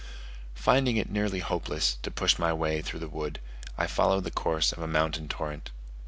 Finding it nearly hopeless to push my way through the wood, I followed the course of a mountain torrent.